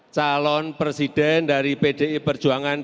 calon presiden dari pdi perjuangan